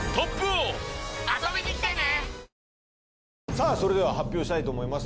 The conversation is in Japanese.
さあそれでは発表したいと思います。